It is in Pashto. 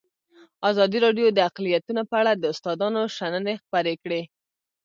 ازادي راډیو د اقلیتونه په اړه د استادانو شننې خپرې کړي.